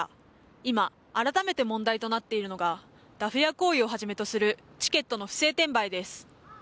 今、改めて問題となっているのがダフ屋行為をはじめとするチケットの不正転売です。